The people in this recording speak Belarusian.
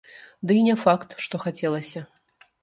Дый і не факт, што хацелася.